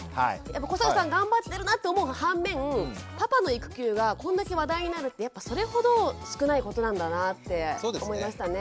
古坂さん頑張ってるなと思う反面パパの育休がこんだけ話題になるってやっぱそれほど少ないことなんだなって思いましたね。